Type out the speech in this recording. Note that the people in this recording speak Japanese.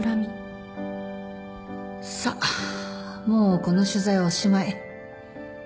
さっもうこの取材はおしまい。